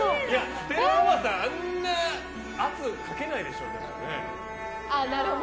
ステラおばさん、あんな圧かけないでしょうからね。